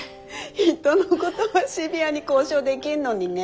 人のことはシビアに交渉できるのにね。